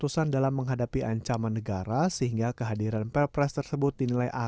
saya kira sudah tepat ya